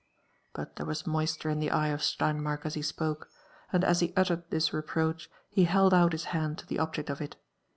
But there was moisture in the eye of Steinmark as he spoke; and as he uttered this reproach, he held out his hand to the object of it.